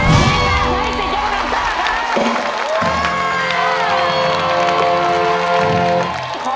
ให้สิทธิ์ยกกำลังซ่าครับ